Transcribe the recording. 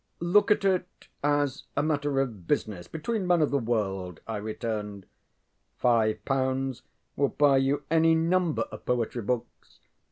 ŌĆ£Look at it as a matter of business between men of the world, ŌĆØ I returned. ŌĆ£Five pounds will buy you any number of poetry books.